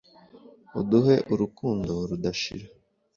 uduhe urukundo rudashira